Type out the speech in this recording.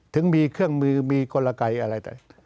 ถึงมีเครื่องมือมีกลรกัยอะไร